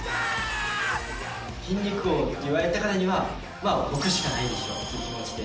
筋肉王といわれたからには僕しかないでしょという気持ちで。